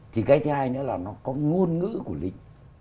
thì cái thứ hai nữa là nó có ngôn ngữ của lính